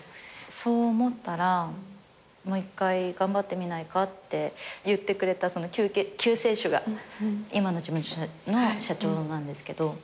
そう思ったら「もう１回頑張ってみないか」って言ってくれた救世主が今の事務所の社長なんですけど。